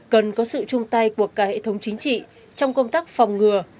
cần có sự chung tay của cả hệ thống chính trị trong công tác phòng ngừa